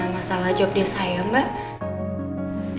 masalah job desk saya ya mbak